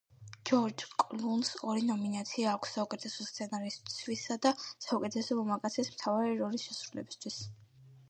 ჯორჯ კლუნს ორი ნომინაცია აქვს, საუკეთესო სცენარისთვისა და საუკეთესო მამაკაცის მთავარი როლის შესრულებისთვის.